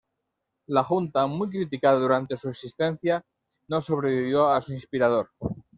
La Junta, muy criticada durante su existencia, no sobrevivió a su inspirador.